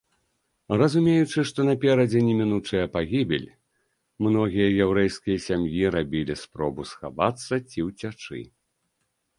Разумеючы, што наперадзе немінучая пагібель, многія яўрэйскія сям'і рабілі спробу схавацца ці ўцячы.